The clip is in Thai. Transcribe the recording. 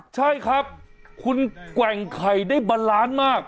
ใช่ครับคุณแกว่งไข่ได้บาลานซ์มาก